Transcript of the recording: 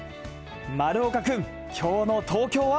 丸岡君、きょうの東京は。